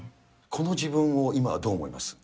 この自分を今はどう思います？